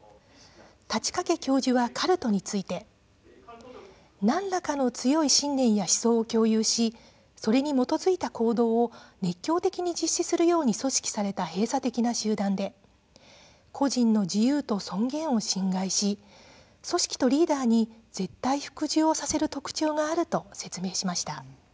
太刀掛教授は、カルトについて何らかの強い信念や思想を共有しそれに基づいた行動を熱狂的に実施するように組織された閉鎖的な集団で個人の自由と尊厳を侵害し組織とリーダーに絶対服従をさせる特徴があると説明しました。